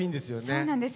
そうなんです。